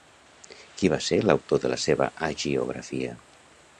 Qui va ser l'autor de la seva hagiografia?